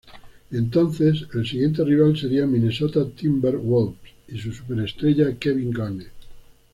Entonces el siguiente rival sería Minnesota Timberwolves y su superestrella Kevin Garnett.